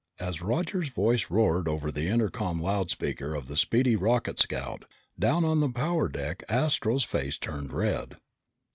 As Roger's voice roared over the intercom loud speaker of the speedy rocket scout, down on the power deck Astro's face turned red.